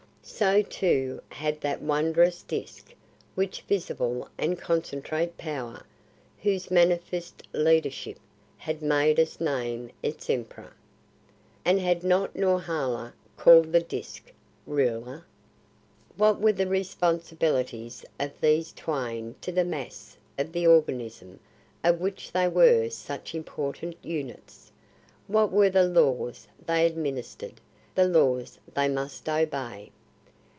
So too had that wondrous Disk whose visible and concentrate power, whose manifest leadership, had made us name it emperor. And had not Norhala called the Disk Ruler? What were the responsibilities of these twain to the mass of the organism of which they were such important units? What were the laws they administered, the laws they must obey?